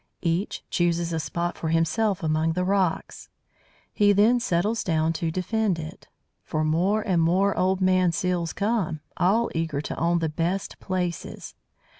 Each chooses a spot for himself among the rocks. He then settles down to defend it; for more and more "old man" Seals come, all eager to own the best places.